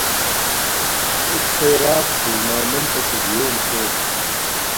اݵک فݵرݳک ٹݸرنݳمنٹَشݸ گیݸم چھݸم.